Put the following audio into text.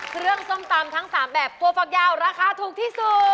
เครื่องส้มตำทั้ง๓แบบควฟักยาวราคาถูกที่สุด